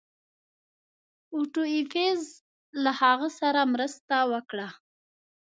اوټو ایفز له هغه سره مرسته وکړه.